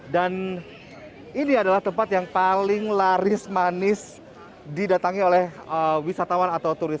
dan ini adalah tempat yang paling laris manis didatangi oleh wisatawan atau turis